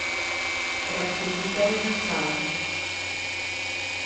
Rectifiqueu de sal.